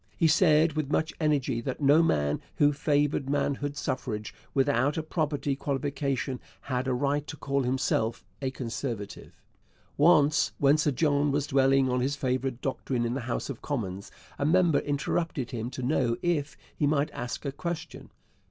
He said with much energy that no man who favoured manhood suffrage without a property qualification had a right to call himself a Conservative. Once, when Sir John was dwelling on his favourite doctrine in the House of Commons, a member interrupted him to know if he might ask a question.